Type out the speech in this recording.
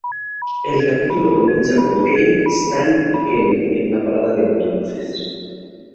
El capítulo comienza con Kyle, Stan y Kenny en la parada de autobuses.